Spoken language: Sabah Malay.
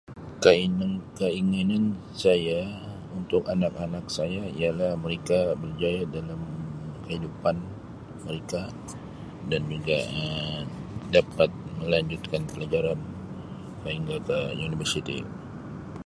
Keingin-keinginan saya untuk anak-anak saya ialah mereka berjaya dalam kehidupan mereka dan juga Um dapat melanjutkan pelajaran sehingga ke universiti.